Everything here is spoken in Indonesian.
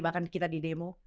bahkan kita di demo